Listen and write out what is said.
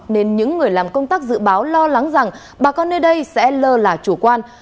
nên những người làm công tác dự báo lo lắng rằng bà con nơi đây sẽ lơ là chủ quan